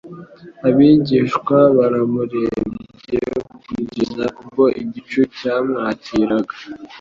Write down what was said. Abigishwa baramurebye kugeza ubwo igicu cyamwakiraga.